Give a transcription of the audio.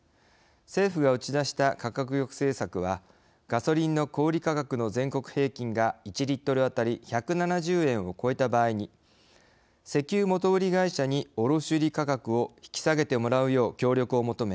政府が打ち出した価格抑制策はガソリンの小売価格の全国平均が１リットル当たり１７０円を超えた場合に石油元売り会社に卸売価格を引き下げてもらうよう協力を求め